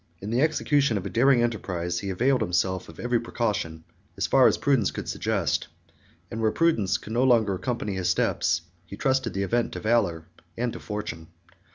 In the execution of a daring enterprise, he availed himself of every precaution, as far as prudence could suggest; and where prudence could no longer accompany his steps, he trusted the event to valor and to fortune.